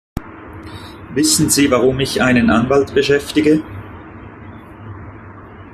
Wissen Sie, warum ich einen Anwalt beschäftige?